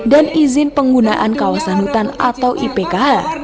dan izin penggunaan kawasan hutan atau ipkh